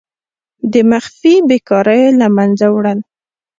د مخفي بیکاریو له منځه وړل.